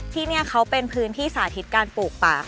ที่นี่เขาเป็นพื้นที่สาธิตการปลูกป่า